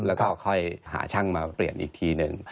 แล้วก็ค่อยหาช่างมาเปลี่ยนอีกทีหนึ่ง